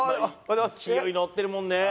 勢い乗ってるもんね。